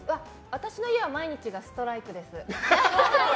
私の家は毎日がストライクです。